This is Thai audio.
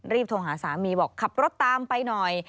โทรหาสามีบอกขับรถตามไปหน่อย